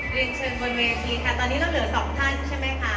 เรียนเชิญบนเวทีค่ะตอนนี้เราเหลือสองท่านใช่ไหมคะ